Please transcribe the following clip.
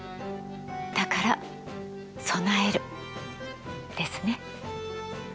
だから備えるですね。